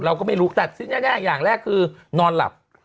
เราก็ไม่รู้แต่ที่แน่อย่างแรกคือนอนหลับ